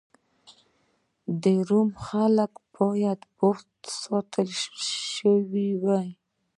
د روم خلک باید بوخت ساتل شوي وای